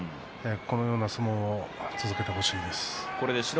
このような相撲を続けてほしいです。